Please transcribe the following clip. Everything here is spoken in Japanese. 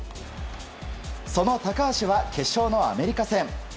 その高橋は決勝のアメリカ戦。